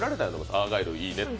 アーガイルいいねって。